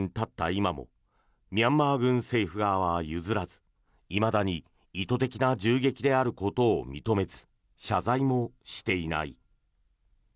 今もミャンマー軍政府側は譲らずいまだに意図的な銃撃であることを認めず謝罪もしていない。